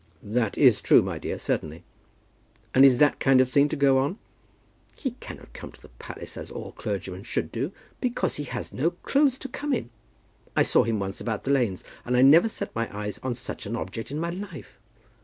"That is true, my dear, certainly." "And is that kind of thing to go on? He cannot come to the palace as all clergymen should do, because he has got no clothes to come in. I saw him once about the lanes, and I never set my eyes on such an object in my life!